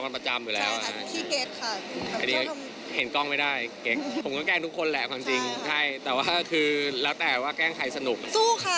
ของน้องวันใหม่เขาไปขับโมงน้อย